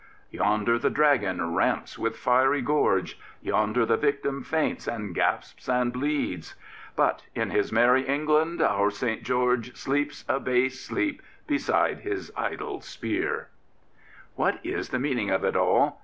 Yonder the dragon ramps with fiery gorge, Yonder the victim faints and gasps and bleeds; But in his Merry England our St. George Sleeps a base sleep beside his idle spear. 179 Prophets, Priests, and Kings What is the meaning of it all?